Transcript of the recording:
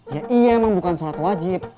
ya iya emang bukan sholat wajib